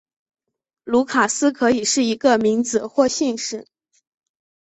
卢卡斯可以是一个名字或姓氏。